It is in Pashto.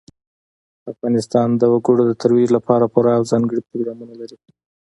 افغانستان د وګړي د ترویج لپاره پوره او ځانګړي پروګرامونه لري.